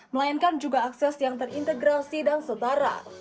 melainkan juga akses yang terintegrasi dan setara